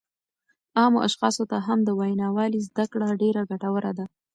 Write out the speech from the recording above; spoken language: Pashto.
عامو اشخاصو ته هم د وینا والۍ زده کړه ډېره ګټوره ده